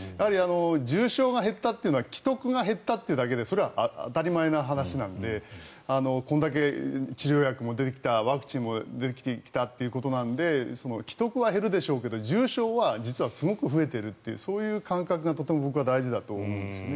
重症が減ったというのは危篤が減ったというだけでそれは当たり前な話なのでこれだけ治療薬も出てきたワクチンもできてきたということなので危篤は減るでしょうけど重症は実はすごく増えているというそういう感覚はとても僕は大事だと思いますよね。